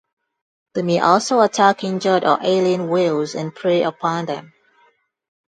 They may also attack injured or ailing whales and prey upon them.